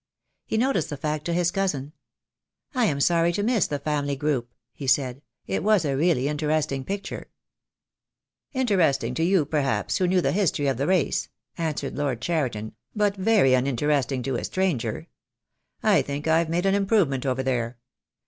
He noticed the fact to his cousin. "I am sorry to miss the family group," he said. "It was a really interesting picture." THE DAY WILL COME. I 37 "Interesting to you perhaps, who knew the history of the race," answered Lord Cheriton, "but very uninterest ing to a stranger. I think I've made an improvement over there.